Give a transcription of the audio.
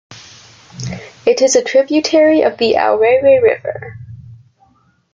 It is a tributary of the Aorere River.